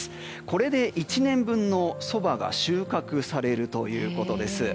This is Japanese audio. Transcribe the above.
これで１年分のソバが収穫されるということです。